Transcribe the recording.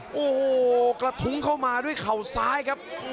โอ้โหกระทุ้งเข้ามาด้วยเข่าซ้ายครับ